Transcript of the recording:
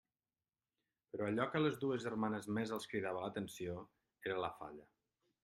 Però allò que a les dues germanes més els cridava l'atenció era la falla.